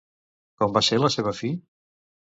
Com va ser la seva fi?